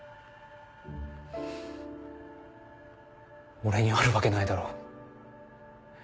俺にあるわけないだろう。